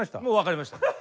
もう分かりました。